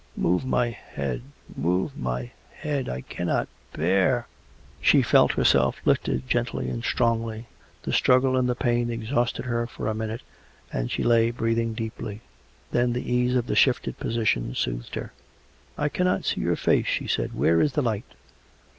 " Move my head ; move my head. I cannot bear " She felt herself lifted gently and strongly. The struggle t.nd the pain exhausted her for a minute, and she lay COME RACK! COME ROPE! 187 breathing deeply. Then the ease of the shifted position soothed her. " I cannot see your face," she said. " Where is the light.?